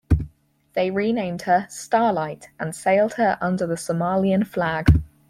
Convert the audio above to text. They renamed her "Starlight", and sailed her under the Somalian flag.